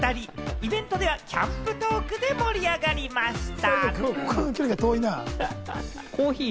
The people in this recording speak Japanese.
イベントではキャンプトークで盛り上がりました。